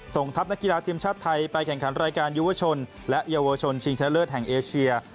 ทัพนักกีฬาทีมชาติไทยไปแข่งขันรายการยุวชนและเยาวชนชิงชนะเลิศแห่งเอเชีย